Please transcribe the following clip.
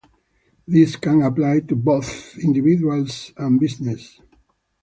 This can apply to both individuals and businesses.